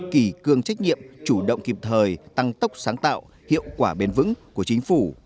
kỳ cương trách nhiệm chủ động kịp thời tăng tốc sáng tạo hiệu quả bền vững của chính phủ